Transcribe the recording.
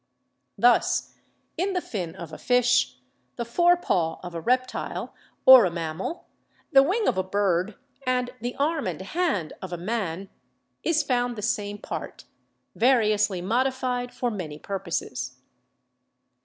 Thus, in the fin of a fish, the fore paw of a reptile or a mammal, the wing of a bird, and the arm and hand of a man, is found the same part, variously modified for many purposes.